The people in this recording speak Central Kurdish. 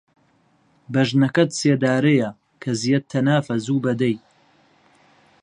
بەژنەکەت سێدارەیە، کەزیەت تەنافە زووبە دەی